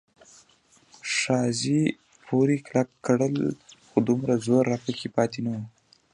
ښاخې پورې کلک کړل، خو دومره زور راپکې پاتې نه و.